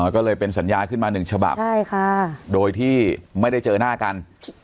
อ๋อก็เลยเป็นสัญญาขึ้นมาหนึ่งฉบับใช่ค่ะโดยที่ไม่ได้เจอหน้ากัน